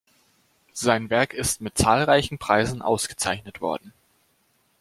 Sein Werk ist mit zahlreichen Preisen ausgezeichnet worden.